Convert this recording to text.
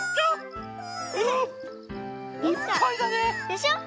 でしょ？